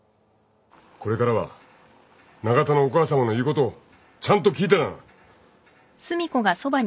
これからは永田のお母さまの言うことをちゃんと聞いてだな。